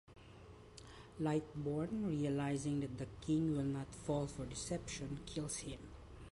Lightborn, realizing that the king will not fall for deception, kills him.